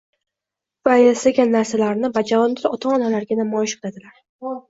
va yasagan narsalarini bajonidil ota-onalariga namoyish qiladilar